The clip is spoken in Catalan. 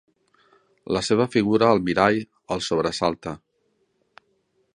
La seva figura al mirall el sobresalta.